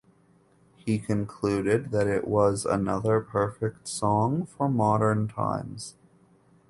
He concluded that it was "another perfect song for modern times".